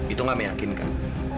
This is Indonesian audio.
itu gak meyakinkan